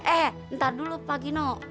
eh ntar dulu pak gino